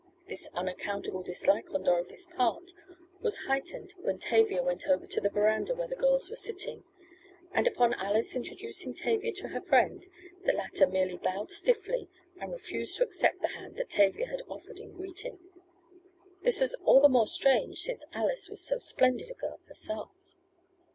This unaccountable dislike on Dorothy's part was heightened when Tavia went over to the veranda where the girls were sitting, and upon Alice introducing Tavia to her friend the latter merely bowed stiffly, and refused to accept the hand that Tavia had offered in greeting. This was all the more strange since Alice was so splendid a girl herself.